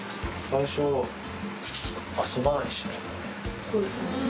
最初、そうですね。